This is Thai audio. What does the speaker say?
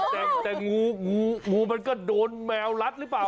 แต่งูงูมันก็โดนแมวรัดหรือเปล่า